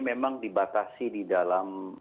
memang dibatasi di dalam